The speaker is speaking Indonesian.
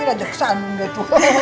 duduk sini aja mak